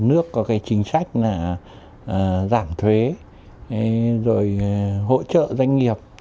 nước có cái chính sách là giảm thuế rồi hỗ trợ doanh nghiệp